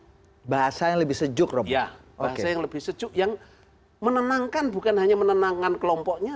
ada bahasa yang lebih sejuk bahasa yang lebih sejuk yang menenangkan bukan hanya menenangkan kelompoknya